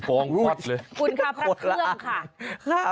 การประเครื่องค่ะ